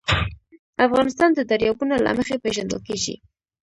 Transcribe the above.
افغانستان د دریابونه له مخې پېژندل کېږي.